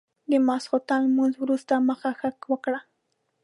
د ماسخوتن لمونځ وروسته مخه ښه وکړه.